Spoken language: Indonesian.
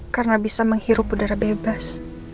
karena bisa menghirup udara bebas